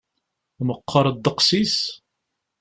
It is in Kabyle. Meqqer ddeqs-is?